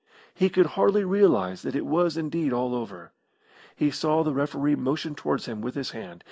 He could hardly realise that it was indeed all over. He saw the referee motion towards him with his hand.